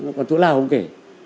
còn thuốc lá không kể